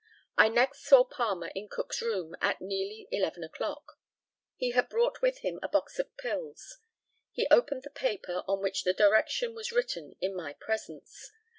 I next saw Palmer in Cook's room at nearly eleven o'clock. He had brought with him a box of pills. He opened the paper, on which the direction was written in my presence.